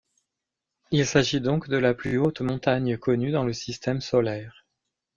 Il s'agit donc de la plus haute montagne connue dans le système solaire.